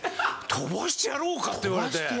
「飛ばしてやろうか」って言われて。